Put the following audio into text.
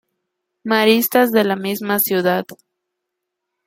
Maristas de la misma ciudad.